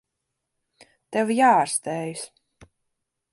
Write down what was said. Tev jāārstējas.